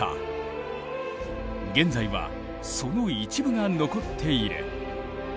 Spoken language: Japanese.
現在はその一部が残っている。